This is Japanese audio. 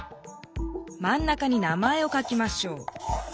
まん中に名前を書きましょう。